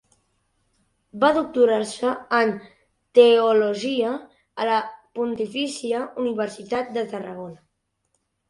Va doctorar-se en teologia a la Pontifícia Universitat de Tarragona.